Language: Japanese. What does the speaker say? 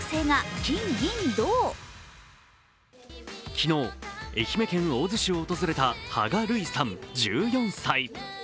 昨日、愛媛県大洲市を訪れた芳我琉衣さん１４歳。